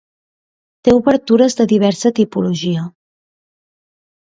Té obertures de diversa tipologia.